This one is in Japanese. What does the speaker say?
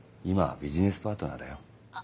今はビジネスパートナーだよ。